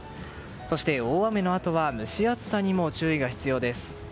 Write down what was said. そして、大雨のあとは蒸し暑さにも注意が必要です。